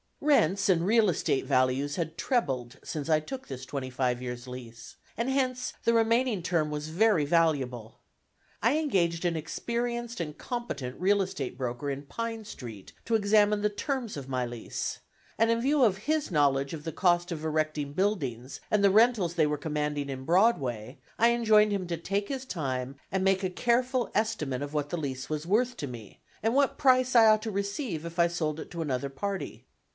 Rents and real estate values had trebled since I took this twenty five years' lease, and hence the remaining term was very valuable. I engaged an experienced and competent real estate broker in Pine Street to examine the terms of my lease, and in view of his knowledge of the cost of erecting buildings and the rentals they were commanding in Broadway, I enjoined him to take his time, and make a careful estimate of what the lease was worth to me, and what price I ought to receive if I sold it to another party.